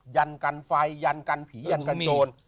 ยันกันไฟยันกันผียันกันโจร